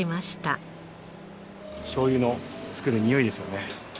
しょうゆの作るにおいですよね。